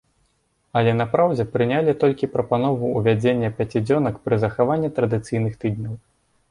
Але на праўдзе прынялі толькі прапанову ўвядзення пяцідзёнак пры захаванні традыцыйных тыдняў.